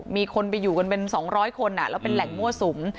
มีคนไปอยู่กันเป็น๒๐๐คนแล้วเป็นแหล่งมั่วสุม